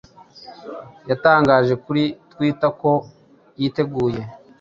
yatangaje kuri Twitter ko yiteguye "